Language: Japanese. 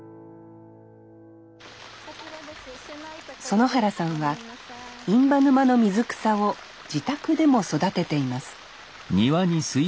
園原さんは印旛沼の水草を自宅でも育てています